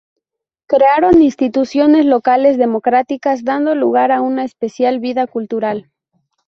Crearon instituciones locales democráticas, dando lugar a una especial vida cultural.